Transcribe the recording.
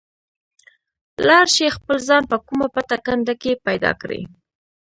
لاړ شئ خپل ځان په کومه پټه کنده کې پیدا کړئ.